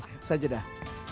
terus aja dah